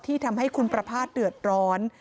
ที่ทำให้คุณประพาทเดือดร้อน